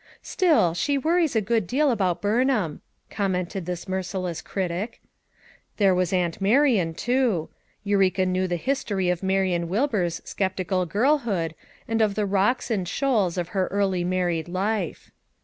"Still, she worries a good deal about Burn ham," commented this merciless critic. There was Aunt Marian, too. Eureka knew the his tory of Marian Wilbur's skeptical girlhood, and of the rocks and shoals of her early mar ried life.